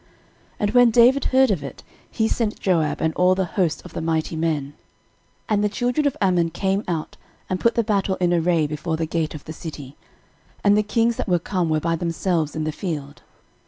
13:019:008 And when David heard of it, he sent Joab, and all the host of the mighty men. 13:019:009 And the children of Ammon came out, and put the battle in array before the gate of the city: and the kings that were come were by themselves in the field.